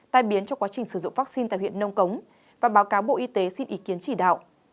tai biến trong quá trình sử dụng vaccine tại huyện nông cống và báo cáo bộ y tế xin ý kiến chỉ đạo